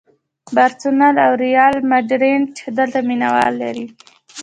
بارسلونا او ریال ماډریډ دلته مینه وال لري.